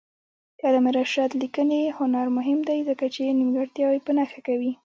د علامه رشاد لیکنی هنر مهم دی ځکه چې نیمګړتیاوې په نښه کوي.